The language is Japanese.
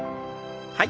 はい。